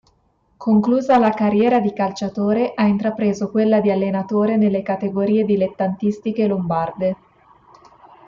Conclusa la carriera di calciatore, ha intrapreso quella di allenatore nelle categorie dilettantistiche lombarde.